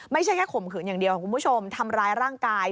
ไม่ใช่แค่ข่มขืนอย่างเดียวทำร้ายร่างกาย